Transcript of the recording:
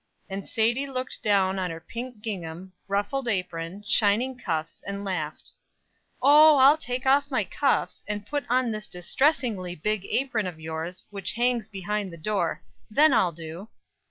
And Sadie looked down on her pink gingham, ruffled apron, shining cuffs, and laughed. "O, I'll take off my cuffs, and put on this distressingly big apron of yours, which hangs behind the door; then I'll do."